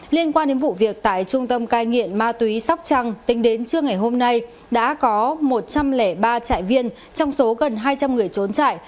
liên quan đến vụ việc tại trung tâm cai nghiện ma túy sóc trăng tính đến trưa ngày hôm nay đã có một trăm linh ba trại viên trong số gần hai trăm linh người trốn trại